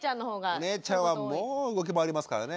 お姉ちゃんはもう動き回りますからね。